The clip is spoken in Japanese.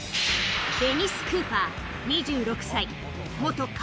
デニス・クーパー２６歳。